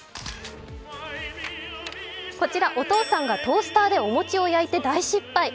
こちらお父さんがトースターでお餅を焼いて大失敗。